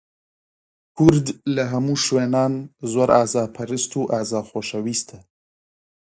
کورد لە هەموو شوێنان، زۆر ئازاپەرست و ئازا خۆشەویستە